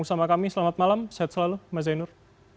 bersama kami selamat malam sehat selalu mas zainur